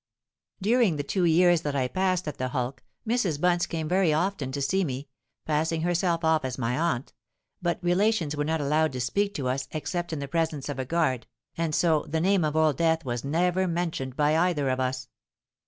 "During the two years that I passed at the hulk, Mrs. Bunce came very often to see me, passing herself off as my aunt; but relations were not allowed to speak to us except in the presence of a guard, and so the name of Old Death was never mentioned by either of us.